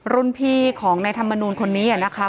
รุ่นพี่ของในธรรมนูลคนนี้นะคะ